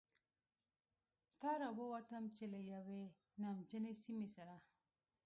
ته را ووتم، چې له یوې نمجنې سیمې سره.